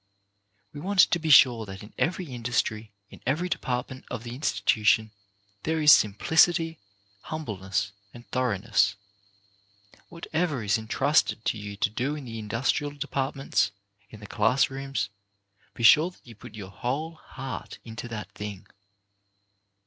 We want to be sure that in every industry, in every department of the institution, there is sim plicity, humbleness, thoroughness. Whatever is intrusted to you to do in the industrial depart ments, in the class rooms, be sure that you put your whole heart into that thing.